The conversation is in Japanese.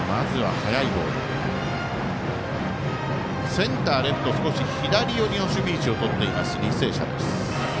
センター、レフト少し左寄りの守備位置をとっている履正社です。